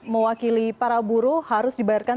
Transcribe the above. mewakili para buruh harus dibayarkan